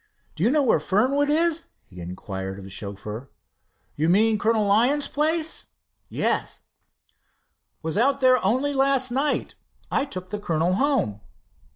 "Do you know where Fernwood is?" he inquired of the chauffeur. "You mean Col. Lyon's place?" "Yes." "Was there only last night. I took the Colonel home."